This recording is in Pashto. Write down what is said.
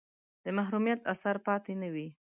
د محرومیت اثر پاتې نه وي.